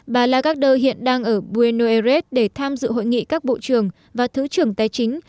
bà lagarde hiện đang ở buenos aires để tham dự hội nghị các bộ trường và thứ trưởng tài chính